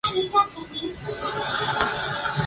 Anteriormente se llegó a jugar con una pala de madera.